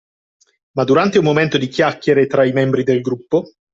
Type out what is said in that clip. Ma durante un momento di chiacchiere tra i membri del gruppo